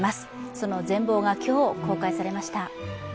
その全貌が今日、公開されました。